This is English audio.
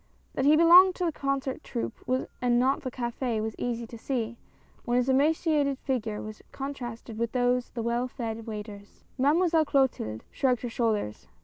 That he belonged to the concert troupe and not to the cafe was easy to see, when his emaci ated figure was contrasted with those of the well fed waiters. Mademoiselle Clotilde shrugged her shoulders.